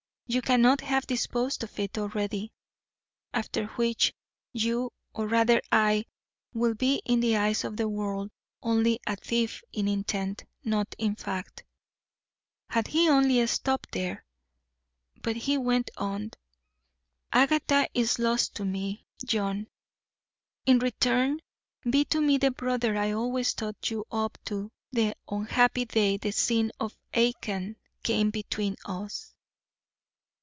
You cannot have disposed of it already. After which, you, or rather I, will be in the eyes of the world only a thief in intent, not in fact.' Had he only stopped there! but he went on: 'Agatha is lost to me, John. In return, be to me the brother I always thought you up to the unhappy day the sin of Achan came between us.'